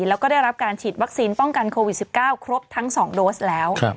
แล้วก็ได้รับการฉีดวัคซีนป้องกันโควิด๑๙ครบทั้ง๒โดสแล้ว